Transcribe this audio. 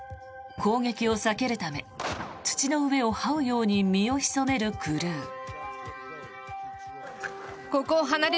攻撃を避けるため土の上をはうように身を潜めるクルー。